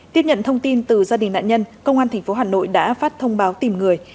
tiếp nhận thông tin từ gia đình nạn nhân công an tp hcm đã phát thông báo tìm người